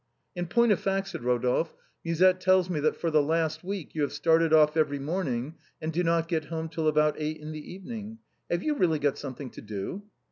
" In point of fact," said Eodolphe, " Musette tells me that for the last week you have started off every morning and do not got home till about eight in the evening. Have you really got something to do